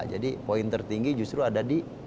jadi poin tertinggi justru ada di